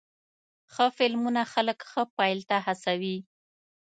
ښه فلمونه خلک ښه پیل ته هڅوې.